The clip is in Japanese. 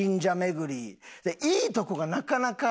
いいとこがなかなか。